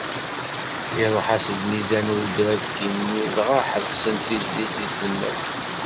Iruḥ-as lmizan i udrabki-nni, dɣa ḥebsen tizlit deg tlemmast.